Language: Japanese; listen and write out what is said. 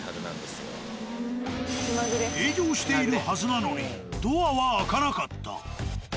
営業しているはずなのにドアは開かなかった。